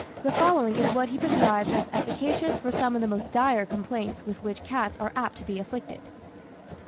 The following is what he prescribes as efficacious for some of the most dire complaints with which cats are apt to be afflicted.